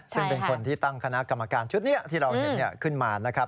ซึ่งเป็นคนที่ตั้งคณะกรรมการชุดนี้ที่เราเห็นขึ้นมานะครับ